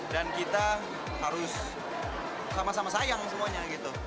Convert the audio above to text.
dan kita harus sama sama sayang semuanya